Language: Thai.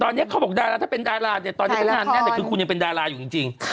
ตอนนี้เขาบอกได้แล้วถ้าเป็นดาราตอนนี้ทำงานแน่แต่คือคุณยังเป็นดาราอยู่จริง